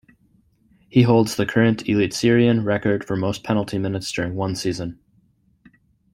He holds the current Elitserien record for most penalty minutes during one season.